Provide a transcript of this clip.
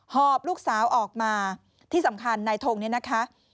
หอบลูกสาวออกมาที่สำคัญนายทงเนี่ยนะคะ